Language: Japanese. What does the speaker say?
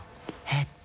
えっと。